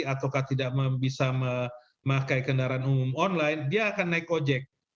atau tidak bisa memakai kendaraan umum online dia akan naik ojek